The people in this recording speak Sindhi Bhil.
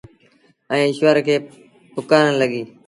ائيٚݩ ايٚشور کي پُڪآرڻ لڳيٚ۔